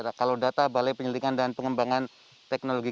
nah kalau data balai penyelidikan dan pengembangan teknologi